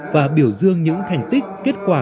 và biểu dương những thành tích kết quả